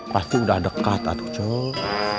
pasti udah dekat atuk cek